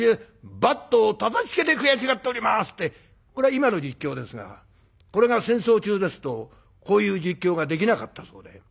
バットをたたきつけて悔しがっております」ってこれは今の実況ですがこれが戦争中ですとこういう実況ができなかったそうで。